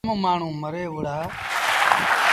جآم مآڻهوٚݩ مري وُهڙآ۔